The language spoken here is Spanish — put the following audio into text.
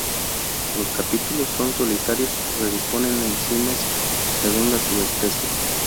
Los capítulos son solitarios o se disponen en cimas, según la subespecie.